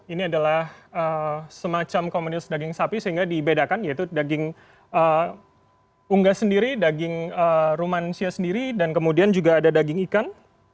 ini adalah semacam komunitas daging sapi sehingga dibedakan yaitu daging unggas sendiri daging rumansia sendiri dan kemudian juga ada daging ikan